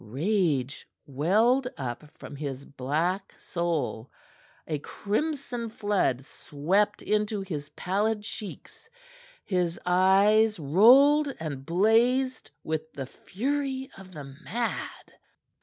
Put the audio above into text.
Rage welled up from his black soul; a crimson flood swept into his pallid cheeks; his eyes rolled and blazed with the fury of the mad.